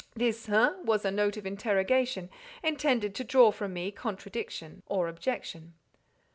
This "hein?" was a note of interrogation intended to draw from me contradiction or objection.